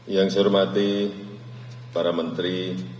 yang saya hormati para menteri